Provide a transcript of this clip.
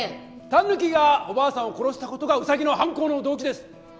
タヌキがおばあさんを殺した事がウサギの犯行の動機です。